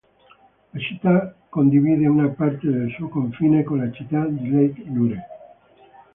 La città condivide una parte del suo confine con la città di Lake Lure.